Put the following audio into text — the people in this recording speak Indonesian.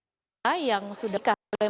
dan yang pertama yang sudah menikah